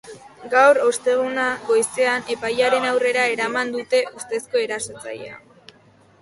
Gaur, osteguna, goizean, epailearen aurrera eraman dute ustezko erasotzailea.